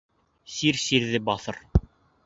Сир сирҙе баҫыр.